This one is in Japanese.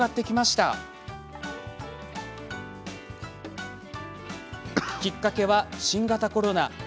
きっかけは新型コロナ。